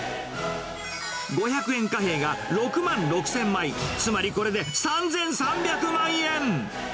五百円貨幣が６万６０００枚、つまりこれで３３００万円。